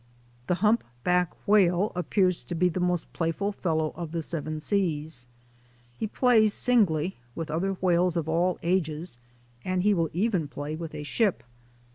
The humpback whale appears to be the most playful fellow of the seven seas. He plays singly, with other whales of all ages, and he will even play with a ship.